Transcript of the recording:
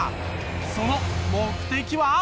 その目的は？